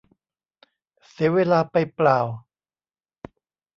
เสียเวลาไปเปล่า